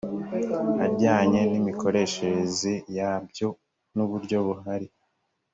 ajyanye n imikoreshereze yabyo n uburyo buhari